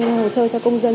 hỗ trợ cho công dân